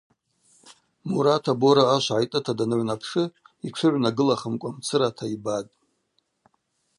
Мурат абора ашв гӏайтӏыта даныгӏвнапшы йтшы гӏвнагылахымкӏва мцырата йбатӏ.